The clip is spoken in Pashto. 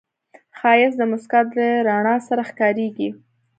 ښایست د موسکا له رڼا سره ښکاریږي